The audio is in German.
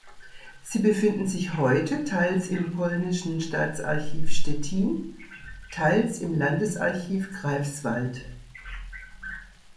Sie befinden sich heute teils im polnischen Staatsarchiv Stettin, teils im Landesarchiv Greifswald.